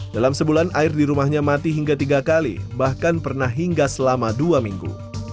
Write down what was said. dalam sebulan air di rumahnya mati hingga tiga kali bahkan pernah hingga selama dua minggu